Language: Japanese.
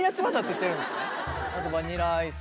あとバニラアイス。